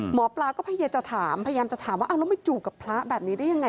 หมอปลาก็พยายามจะถามว่าเราไม่จูบกับพระแบบนี้ได้อย่างไร